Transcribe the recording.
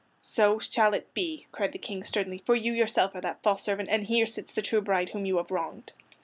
"So shall it be," cried the King sternly, "for you yourself are that false servant, and here sits the true bride whom you have wronged."